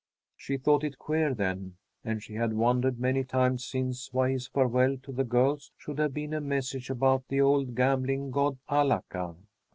She thought it queer then, and she had wondered many times since why his farewell to the girls should have been a message about the old gambling god, Alaka.